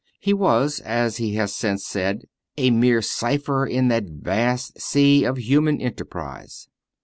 He was, as he has since said, "a mere cipher in that vast sea of human enterprise."